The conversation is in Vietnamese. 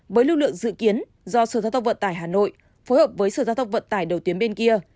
với lưu lượng dự kiến do sở gia tốc vận tải hà nội phối hợp với sở gia tốc vận tải đầu tuyến bên kia